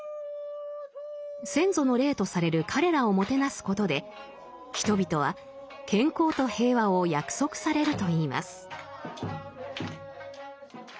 先祖の霊とされる彼らをもてなすことで人々は健康と平和を約束されるといいます。